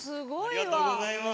ありがとうございます。